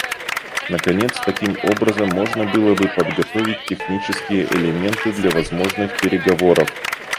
Наконец, таким образом можно было бы подготовить технические элементы для возможных переговоров.